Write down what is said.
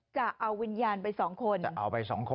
จะเอาวิญญาณไป๒คน